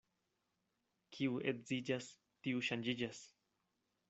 Kiu edziĝas, tiu ŝanĝiĝas.